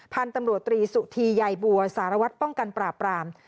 พันธุ์ตำรวจตรีสุธีใยบัวสารวัตรป้องกันปราบราม